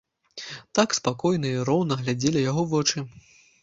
Так спакойна і роўна глядзелі яго вочы.